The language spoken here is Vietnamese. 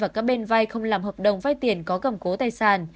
và các bên vay không làm hợp đồng vay tiền có cầm cố tài sản